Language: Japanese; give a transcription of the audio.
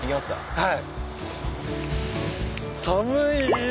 はい。